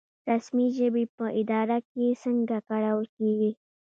رسمي ژبې په اداره کې څنګه کارول کیږي؟